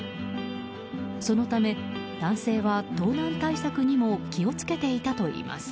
そのため、男性は盗難対策にも気を付けていたといいます。